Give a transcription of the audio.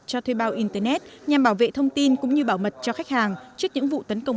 cho thuê bao internet nhằm bảo vệ thông tin cũng như bảo mật cho khách hàng trước những vụ tấn công